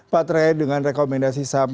pak terkait dengan rekomendasi saham